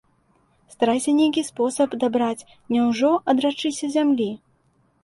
Старайся нейкі спосаб дабраць, няўжо адрачыся зямлі?